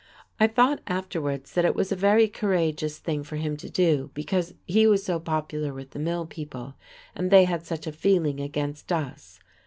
I thought afterwards that it was a very courageous thing for him to do, because he was so popular with the mill people, and they had such a feeling against us.